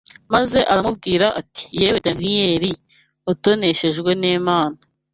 maze aramubwira ati: “Yewe Daniyeli watoneshejwe n’Imana